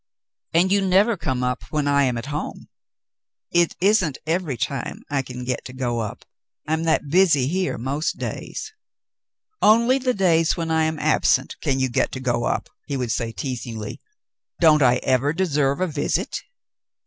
"And you never come up when I am at home ?" "It isn't every time I can get to go up, I'm that busy here most days." "Only the days when I am absent can you *get to go up'.^^" he would say teasingly. "Don't I ever deserve a visit ?"